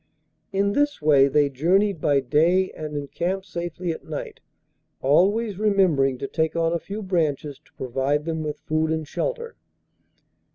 In this way they journeyed by day and encamped safely at night, always remembering to take on a few branches to provide them with food and shelter.